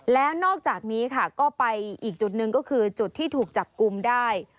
แล้วนอกจากนี้ค่ะก็ไปอีกจุดหนึ่งก็คือจุดที่ถูกจับกลุ่มได้